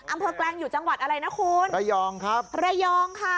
อ้ำเภอแกรงอยู่จังหวะอะไรนะคุณระยองครับระยองค่ะ